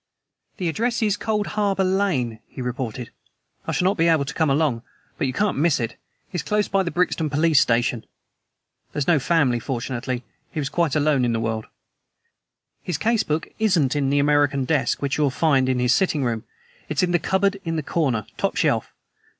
"The address is No. Cold Harbor Lane," he reported. "I shall not be able to come along, but you can't miss it; it's close by the Brixton Police Station. There's no family, fortunately; he was quite alone in the world. His case book isn't in the American desk, which you'll find in his sitting room; it's in the cupboard in the corner top shelf.